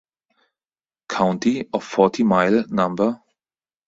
County of Forty Mile No.